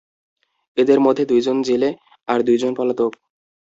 এদের মধ্যে দুইজন জেলে, আর দুইজন পলাতক।